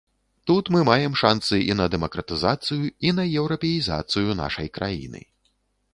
Тут мы маем шанцы і на дэмакратызацыю, і на еўрапеізацыю нашай краіны.